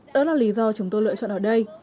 đó là lý do chúng tôi lựa chọn ở đây